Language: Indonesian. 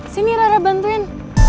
sini rara bantuin